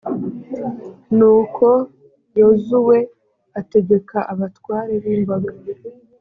nuko yozuwe ategeka abatware b’imbaga.